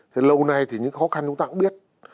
thì lâu nay thì những khó khăn chúng ta cũng biết